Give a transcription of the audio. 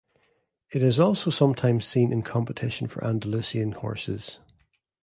It is also sometimes seen in competition for Andalusian horses.